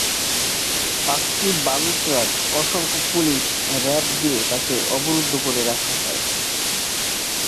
পাঁচটি বালুর ট্রাক, অসংখ্য পুলিশ, র্যাব দিয়ে তাঁকে অবরুদ্ধ করে রাখা হয়।